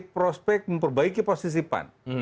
prospek memperbaiki posisi pan